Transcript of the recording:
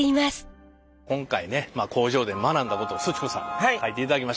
今回ね工場で学んだことをすち子さんに書いていただきました。